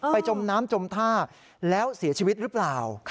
จมน้ำจมท่าแล้วเสียชีวิตหรือเปล่า